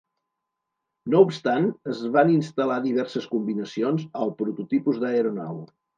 No obstant, es van instal·lar diverses combinacions al prototipus d'aeronau.